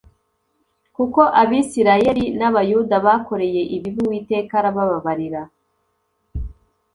Kuko Abisirayeli n Abayuda bakoreye ibibi uwiteka arababarira